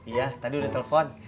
iya tadi udah telepon